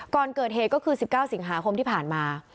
ก่อนเกิดเหตุก็คือ๑๙สิงหาคมที่ผ่านมา